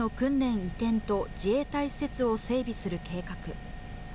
移転と自衛隊施設を整備する計画。